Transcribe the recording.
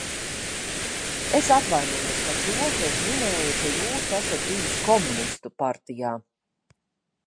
Es atvainojos par to, ka es minēju, ka jūs esat bijis komunistu partijā.